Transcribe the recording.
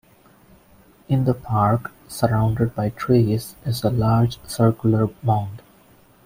In the park, surrounded by trees, is a large circular mound.